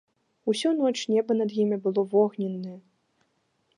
Усю ноч неба над імі было вогненнае.